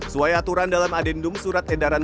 sesuai aturan dalam adendum surat edaran